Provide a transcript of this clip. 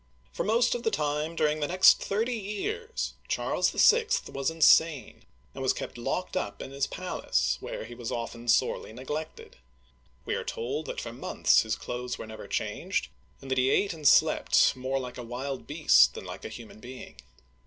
For most of the time during the next thirty years, Charles VI. was insane, and was kept locked up in his palace, where he was often sorely neglected ; we are told that for months his clothes were never changed, and that he ate and slept more like a wild beast than like a human being.